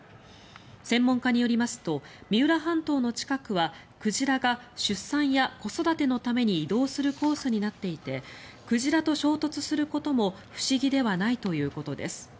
専門家によりますと三浦半島の近くは鯨が出産や子育てのために移動するコースになっていて鯨と衝突することも不思議ではないということです。